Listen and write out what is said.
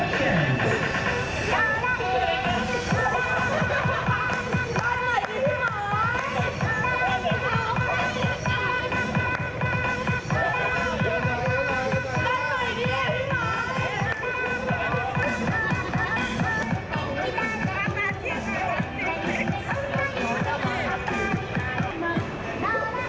สวัสดีครับสวัสดีครับ